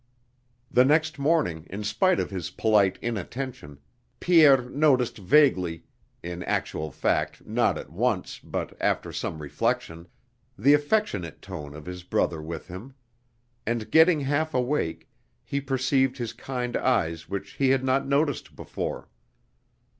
The next morning, in spite of his polite inattention, Pierre noticed vaguely in actual fact not at once, but after some reflection the affectionate tone of his brother with him. And, getting half awake, he perceived his kind eyes which he had not noticed before.